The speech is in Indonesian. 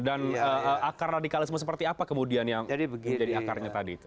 dan akar radikalisme seperti apa kemudian yang menjadi akarnya tadi itu